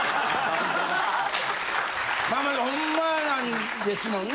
まあホンマなんですもんね